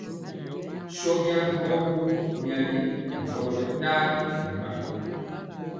Sɔnja mɔ gwo myali nɛ ɓɔnɔ ɓɛ tani nɛ ɓa.